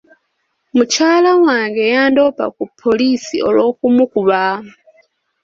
Mukyala wange yandoopa ku poliisi olw'okumukuba.